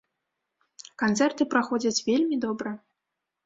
Канцэрты, праходзяць вельмі добра.